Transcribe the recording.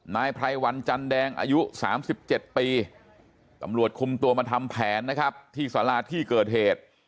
นายไพรวันจันแดงอายุ๓๗ปีตำรวจคุมตัวมาทำแผนนะครับที่สาราที่เกิดเหตุ